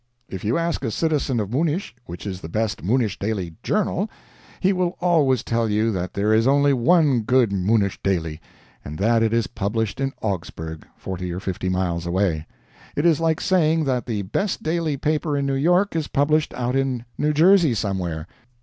If you ask a citizen of Munich which is the best Munich daily journal, he will always tell you that there is only one good Munich daily, and that it is published in Augsburg, forty or fifty miles away. It is like saying that the best daily paper in New York is published out in New Jersey somewhere.